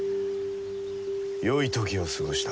よい時を過ごした。